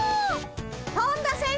本田先生